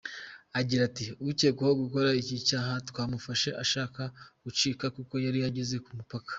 Agira ati :”Ukekwaho gukora iki cyaha twamufashe ashaka gucika kuko yari ageze ku mupaka.